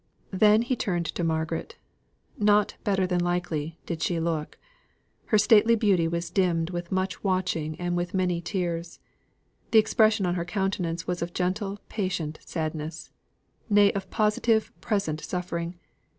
Then he turned to Margaret. Not "better than likely" did she look. Her stately beauty was dimmed with much watching and with many tears. The expression on her countenance was of gentle patient sadness nay of positive present suffering.